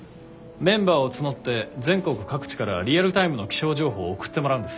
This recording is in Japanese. メンバーを募って全国各地からリアルタイムの気象情報を送ってもらうんです。